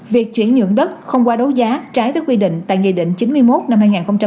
việc chuyển nhượng đất không qua đấu giá trái với quy định tại nghị định chín mươi một năm hai nghìn một mươi chín